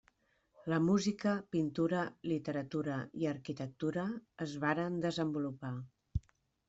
La música, pintura, literatura i arquitectura es varen desenvolupar.